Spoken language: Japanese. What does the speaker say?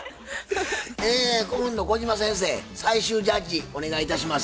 え顧問の小島先生最終ジャッジお願いいたします。